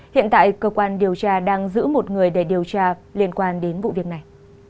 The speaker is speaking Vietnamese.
hiện tại cơ quan điều tra đang giữ một người để điều tra liên quan đến vụ việc này